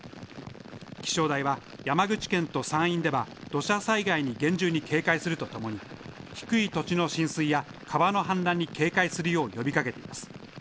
気象台は山口県と山陰では土砂災害に厳重に警戒するとともに低い土地の浸水や川の氾濫に警戒するよう呼びかけています。